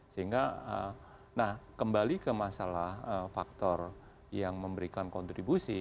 sehingga nah kembali ke masalah faktor yang memberikan kontribusi